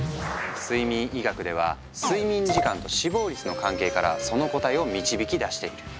睡眠医学では睡眠時間と死亡率の関係からその答えを導き出している。